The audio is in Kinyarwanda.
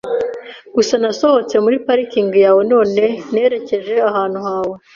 Gusa nasohotse muri parikingi yawe none nerekeje ahantu hawe.